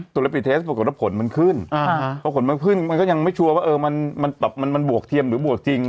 ตัวเลขเทสปรากฏว่าผลมันขึ้นเพราะผลมันขึ้นมันก็ยังไม่ชัวร์ว่ามันบวกเทียมหรือบวกจริง